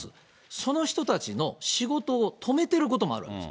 その人たちの仕事を止めてることもあるんですよ。